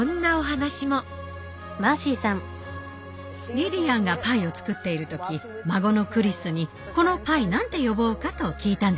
リリアンがパイを作っている時孫のクリスに「このパイ何て呼ぼうか？」と聞いたんですって。